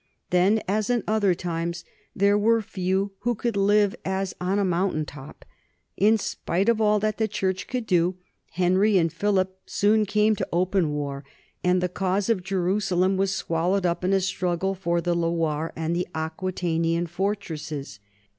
Then, as in other times, there were few who could live as on a mountain top. In spite of all that the church could do, Henry and Philip soon came to open war, and the cause of Jerusalem was swallowed up in a struggle for the Loire and for Aquitanian fortresses.